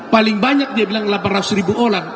paling banyak dia bilang delapan ratus ribu orang